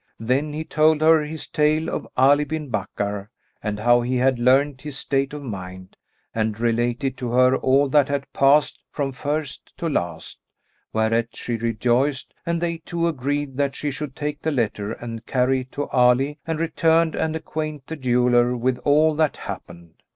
Then he told her his tale of Ali bin Bakkar and how he had learned his state of mind; and related to her all that had passed from first to last, whereat she rejoiced; and they two agreed that she should take the letter and carry it to Ali and return and acquaint the jeweller with all that happened.